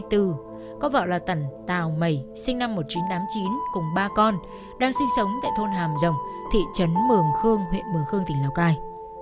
có vợ là tần tào mẩy sinh năm một nghìn chín trăm tám mươi chín cùng ba con đang sinh sống tại thôn hàm rồng thị trấn mường khương huyện mường khương tỉnh lào cai